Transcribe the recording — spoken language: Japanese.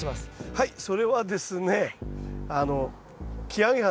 はいそれはですねあ。